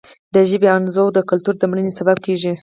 د ژبې انزوا د کلتور د مړینې سبب کیږي.